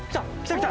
きた！